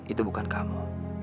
itu bukan kamu